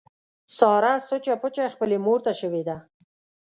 ساره سوچه پوچه خپلې مورته شوې ده.